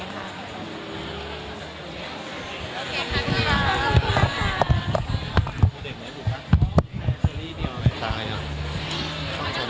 ที่นี้ก็อยากตลอดทางกลางและเข้าหลีอยู่ทางเนกออมแล้ว